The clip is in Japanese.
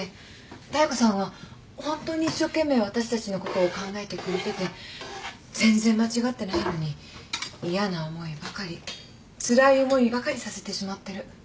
妙子さんはホントに一生懸命私たちのことを考えてくれてて全然間違ってないのに嫌な思いばかりつらい思いばかりさせてしまってる。